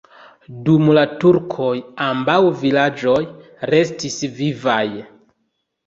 Dum la turkoj ambaŭ vilaĝoj restis vivaj.